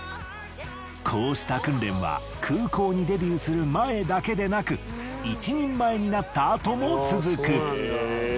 こうした訓練は空港にデビューする前だけでなく一人前になったあとも続く。